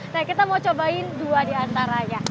nah kita mau cobain dua di antaranya